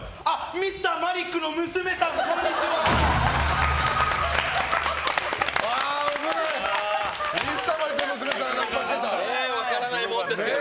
Ｍｒ．マリックさんの娘さん分からないものですけど。